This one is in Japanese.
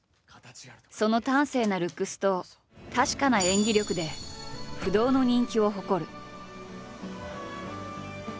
その端正なルックスと確かな演技力で不動の人気を誇る。